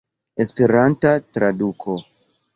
Esperanta traduko.